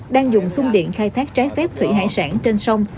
đang dùng sung điện khai thác trái phép thủy hải sản trên sông